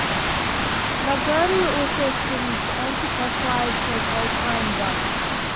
McGrady also spins anti-clockwise for his baseline dunks.